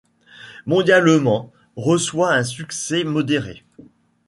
Mondialement, reçoit un succès modéré.